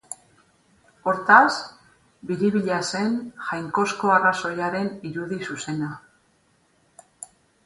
Hortaz, biribila zen jainkozko arrazoiaren irudi zuzena.